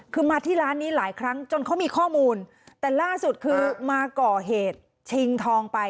คือมาที่ร้านนี้หลายครั้งจนเขามีข้อมูลแต่ล่าสุดคือมาก่อเหตุชิงทองไป